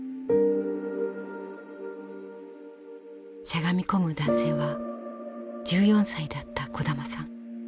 しゃがみ込む男性は１４歳だった小玉さん。